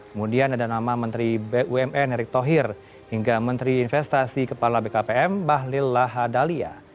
kemudian ada nama menteri bumn erick thohir hingga menteri investasi kepala bkpm bahlil lahadalia